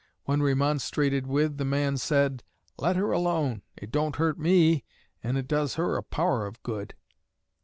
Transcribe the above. When remonstrated with, the man said, 'Let her alone. It don't hurt me, and it does her a power of good.'"